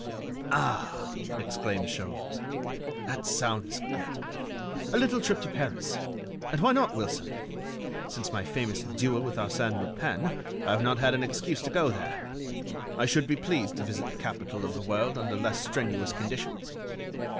"Ah!" exclaimed Sholmes, "that sounds good ... a little trip to Paris ... and why not, Wilson? Since my famous duel with Arsène Lupin, I have not had an excuse to go there. I should be pleased to visit the capital of the world under less strenuous conditions."